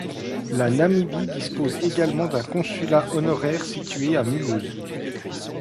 La Namibie dispose également d'un consulat honoraire situé à Mulhouse.